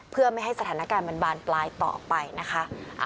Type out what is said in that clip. เพื่อไม่ให้สถานการณ์มันบานปลายต่อไปนะคะ